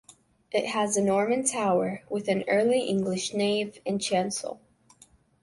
It has a Norman tower with an Early English nave and chancel.